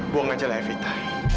buang aja lah evita